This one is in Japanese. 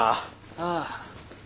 ああ。